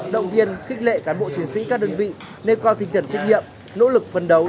động viên khích lệ cán bộ chiến sĩ các đơn vị nêu cao tinh thần trách nhiệm nỗ lực phân đấu